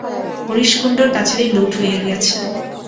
হরিশ কুণ্ডুর কাছারি লুঠ হয়ে গেছে।